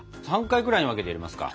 ３回くらいに分けて入れますか？